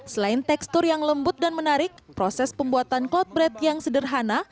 selain tekstur yang lembut dan menarik proses pembuatan clot bread yang sederhana